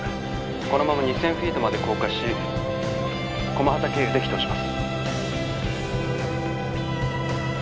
このまま２，０００フィートまで降下し駒畠経由で帰投します。